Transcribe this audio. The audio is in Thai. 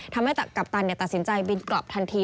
กัปตันตัดสินใจบินกลับทันที